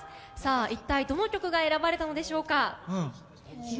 一体どの曲が選ばれたのでしょうか。